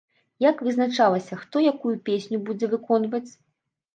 Як вызначалася, хто якую песню будзе выконваць?